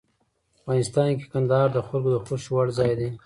افغانستان کې کندهار د خلکو د خوښې وړ ځای دی.